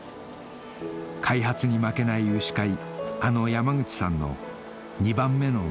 開発に負けない牛飼いあの山口さんの２番目の娘さんです